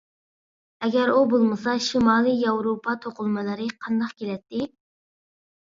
ئەگەر ئۇ بولمىسا، شىمالىي ياۋروپا توقۇلمىلىرى قانداق كېلەتتى.